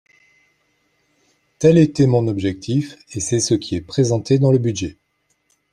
Tel était mon objectif et c’est ce qui est présenté dans le budget.